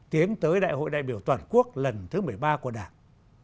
tiến tới đại hội đại biểu toàn quốc lần thứ một mươi ba của đảng